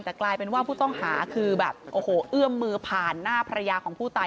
แต่กลายเป็นว่าผู้ต้องหาคือแบบโอ้โหเอื้อมมือผ่านหน้าภรรยาของผู้ตาย